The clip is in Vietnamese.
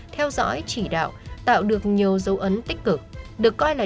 nhiều dấu ấn tích cực được coi là